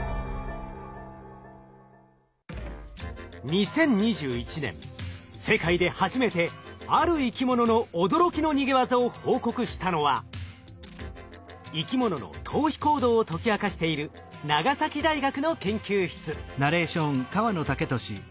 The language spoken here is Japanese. ２０２１年世界で初めてある生き物の驚きの逃げ技を報告したのは生き物の逃避行動を解き明かしている長崎大学の研究室。